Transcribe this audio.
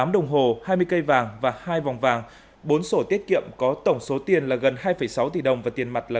dừng trọng dịch sắc